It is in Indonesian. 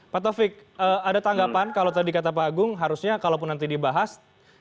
pak taufik ada tanggapan kalau tadi kata pak agung harusnya kalaupun nanti dibahas